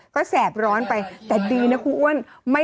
ก็แสบร้อนไปแต่ดีนะครูอ้วน